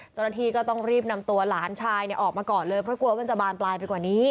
เจ้าหน้าที่ก็ต้องรีบนำตัวหลานชายออกมาก่อนเลยเพราะกลัวว่ามันจะบานปลายไปกว่านี้